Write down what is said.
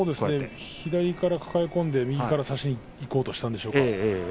左から抱え込んで右から差しにいこうとしたんですね。